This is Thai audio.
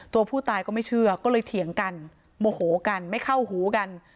ตัวผู้ตายก็ไม่เชื่อก็เลยเถียงกันโมโหกันไม่เข้าหูกัน